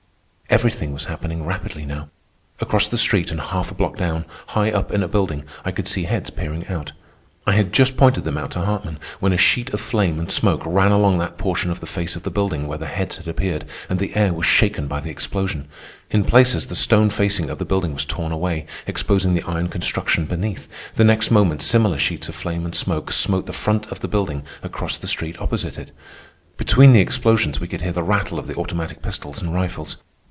Everything was happening rapidly now. Across the street and half a block down, high up in a building, I could see heads peering out. I had just pointed them out to Hartman, when a sheet of flame and smoke ran along that portion of the face of the building where the heads had appeared, and the air was shaken by the explosion. In places the stone facing of the building was torn away, exposing the iron construction beneath. The next moment similar sheets of flame and smoke smote the front of the building across the street opposite it. Between the explosions we could hear the rattle of the automatic pistols and rifles.